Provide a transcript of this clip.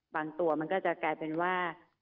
บางตัวมันก็จะกลายเป็นว่า